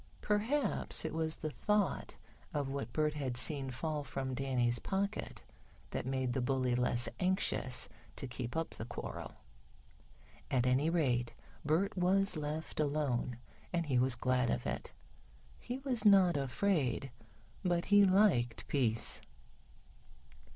Perhaps it was the thought of what Bert had seen fall from Danny's pocket that made the bully less anxious to keep up the quarrel. At any rate, Bert was left alone and he was glad of it. He was not afraid, but he liked peace.